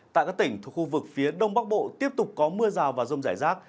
tại các tỉnh thuộc khu vực phía đông bắc bộ tiếp tục có mưa rào và rông rải rác